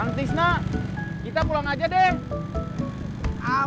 kang tisna kita pulang aja deh